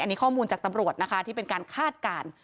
อันนี้ข้อมูลจากตำรวจนะคะที่เป็นการคาดการณ์